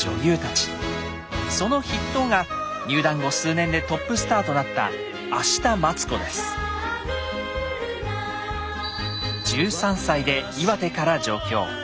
その筆頭が入団後数年でトップスターとなった１３歳で岩手から上京。